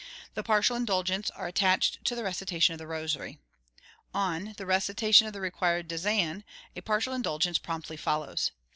'The partial indulgences are attached to the recitation of the rosary.' On 'the recitation of the required dizaine,' a partial indulgence promptly follows.